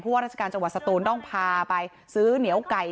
ว่าราชการจังหวัดสตูนต้องพาไปซื้อเหนียวไก่